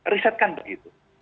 riset kan begitu